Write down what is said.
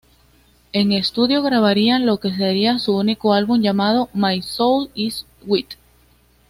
En estudio grabarían lo que sería su único álbum, llamado My Soul is wet.